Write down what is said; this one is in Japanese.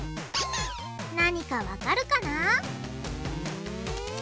何かわかるかな？